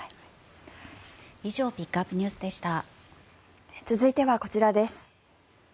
以上ピックアップＮＥＷＳでした。